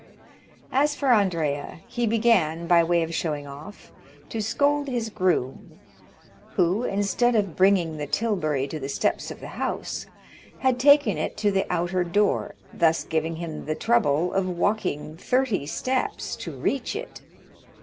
As for Andrea, he began, by way of showing off, to scold his groom, who, instead of bringing the tilbury to the steps of the house, had taken it to the outer door, thus giving him the trouble of walking thirty steps to reach it.